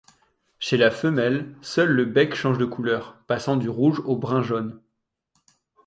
Chez la femelle, seul le bec change de couleur, passant du rouge au brun-jaune.